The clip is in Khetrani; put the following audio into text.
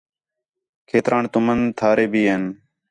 کھیتران تُمن تھارے بھی ہین